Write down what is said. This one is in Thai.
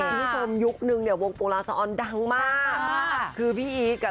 ผู้ชมยุคนึงโรงโรงตรงเพลดตีนรักมาก